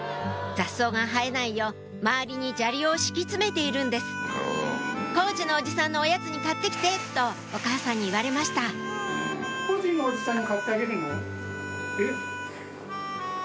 雑草が生えないよう周りに砂利を敷き詰めているんです「工事のおじさんのおやつに買って来て」とお母さんに言われましたえっ？